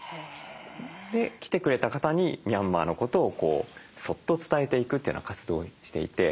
で来てくれた方にミャンマーのことをそっと伝えていくというような活動をしていて。